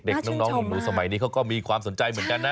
เด็กน้องหนูสมัยนี้เขาก็มีความสนใจเหมือนกันนะ